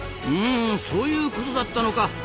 うんそういうことだったのか。